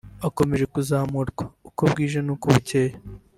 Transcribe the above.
ukomeje kuzahurwa uko bwije n’uko bukeye